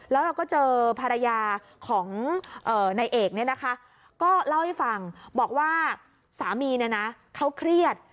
แล้วเราก็เจอภรรยาของนายเอกก็เล่าให้ฟังบอกว่าสามีเขาเครียด